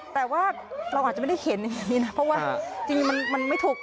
แต่ว่าเราอาจจะไม่ได้เขียนอย่างนี้นะเพราะว่าจริงมันไม่ถูก